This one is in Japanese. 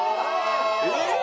えっ！